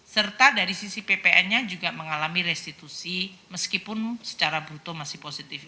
serta dari sisi ppn nya juga mengalami restitusi meskipun secara bruto masih positif